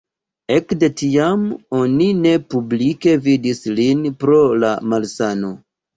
Ekde tiam oni ne publike vidis lin pro la malsano.